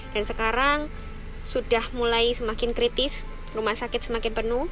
dan sekarang sudah mulai semakin kritis rumah sakit semakin penuh